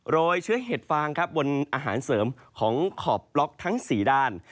ยเชื้อเห็ดฟางครับบนอาหารเสริมของขอบปล็อกทั้ง๔ด้าน